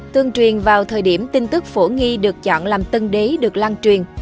tương truyền vào thời điểm tin tức phổ nghi được chọn làm tân đế được lan truyền